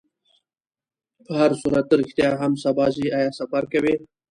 په هرصورت، ته رښتیا هم سبا ځې؟ آیا سفر کوې؟